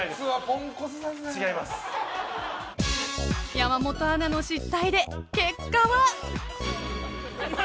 ［山本アナの失態で結果は］